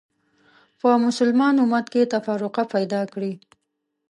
په مسلمان امت کې تفرقه پیدا کړې